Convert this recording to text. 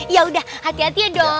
ya udah hati hatinya dok